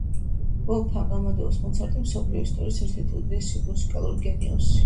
ვოლფგანგ ამადეუს მოცარტი — მსოფლიო ისტორიის ერთ-ერთი უდიდესი მუსიკალური გენიოსი